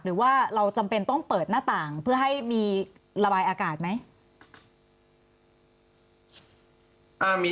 หรือว่าเราจำเป็นต้องเปิดหน้าต่างเพื่อให้มีระบายอากาศไหม